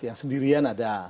yang sendirian ada